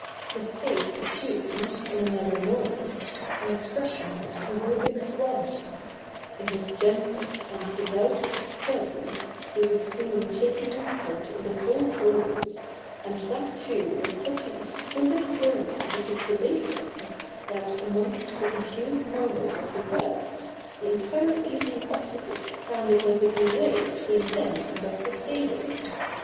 His face assumed, in another moment, an ex pression of cherubic suavity ; in his gentlest and devoutest tones he was soon taking his part in the whole service, and that too with such an exquisite clearness of articula tion, that, amongst the confused murmurs of the rest, the entire evening office sounded like a duet between him and Dr. Seydon.